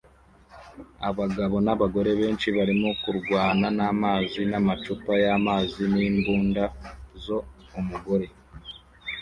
Abagabo n'abagore benshi barimo kurwana n'amazi n'amacupa y'amazi n'imbunda zo umugore